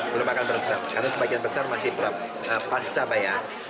belum akan berbesar karena sebagian besar masih pasca bayar